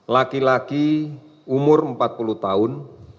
laki laki umur empat puluh tahun